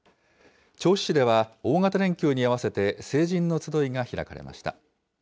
銚子市では大型連休に合わせて、成人のつどいが開かれました。